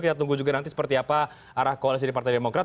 kita tunggu juga nanti seperti apa arah koalisi di partai demokrat